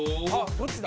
どっちだ？